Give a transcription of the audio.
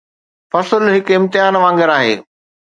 فصل هڪ امتحان وانگر آهي